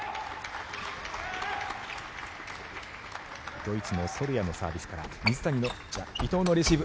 ドイツのソルヤのサービスから伊藤のレシーブ。